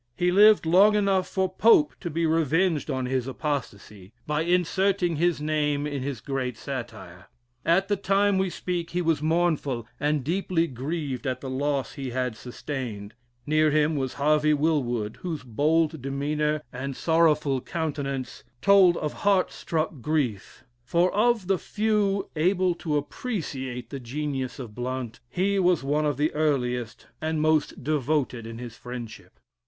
He lived long enough for Pope to be revenged on his apostacy, by inserting his name in his great satire. At the time we speak he was mournful and deeply grieved at the loss he had sustained; near him was Harvey Wilwood, whose bold demeanor and sorrowful countenance told of heart struck grief, for of the few able to appreciate the genius of Blount, he was one of the earliest and most devoted in his friendship.